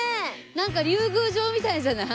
なんか竜宮城みたいじゃない？